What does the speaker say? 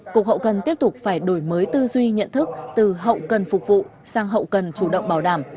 cục hậu cần tiếp tục phải đổi mới tư duy nhận thức từ hậu cần phục vụ sang hậu cần chủ động bảo đảm